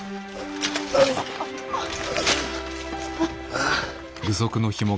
ああ。